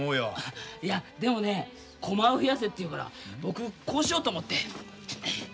いやでもねコマを増やせって言うから僕こうしようと思って。